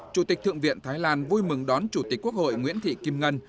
chủ tịch thượng viện thái lan vui mừng đón chủ tịch quốc hội nguyễn thị kim ngân